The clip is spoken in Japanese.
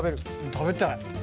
食べたい。